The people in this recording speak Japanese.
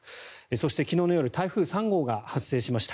そして、昨日の夜台風３号が発生しました。